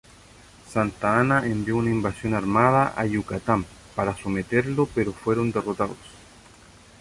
Santa Anna envió una invasión armada a Yucatán para someterlo, pero fueron derrotados.